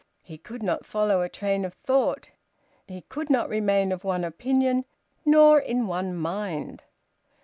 He could not follow a train of thought. He could not remain of one opinion nor in one mind.